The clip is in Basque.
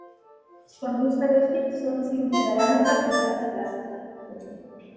Orduz geroztik zortzi urte daramatza plazaz plaza.